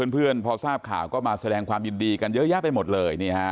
เพื่อนพอทราบข่าวก็มาแสดงความยินดีกันเยอะแยะไปหมดเลย